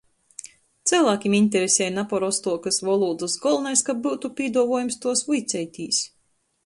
Cylvākim interesej naparostuokys volūdys, golvonais, kab byutu pīduovuojums tuos vuiceitīs.